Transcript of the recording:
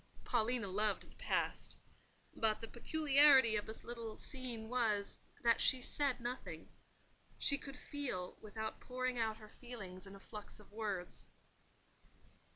Paulina loved the Past; but the peculiarity of this little scene was, that she said nothing: she could feel without pouring out her feelings in a flux of words.